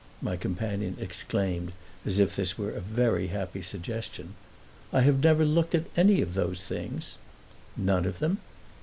my companion exclaimed as if this were a very happy suggestion. "I have never looked at any of those things." "None of them?